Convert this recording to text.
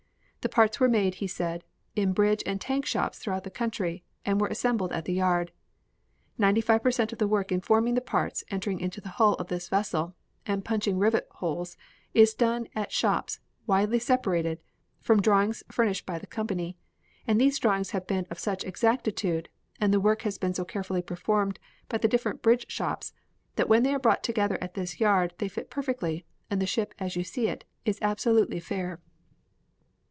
The parts were made, he said, in bridge and tank shops throughout the country and were assembled at the yard. "Ninety five per cent of the work in forming the parts entering into the hull of this vessel, and punching rivet holes, is done at shops widely separated, from drawings furnished by this company, and these drawings have been of such exactitude, and the work has been so carefully performed by the different bridge shops that when they are brought together at this yard they fit perfectly and the ship as you see is absolutely fair.